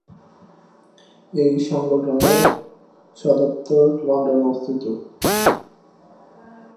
এই সংগঠনের সদরদপ্তর লন্ডনে অবস্থিত।